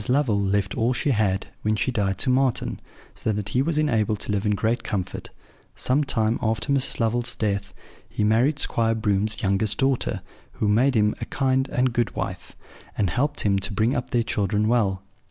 Lovel left all she had, when she died, to Marten; so that he was enabled to live in great comfort. Some time after Mrs. Lovel's death, he married Squire Broom's youngest daughter, who made him a kind and good wife, and helped him to bring up their children well.